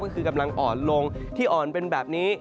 ก็คือกำลังอ่อนลงที่อ่อนเป็นแบบนี้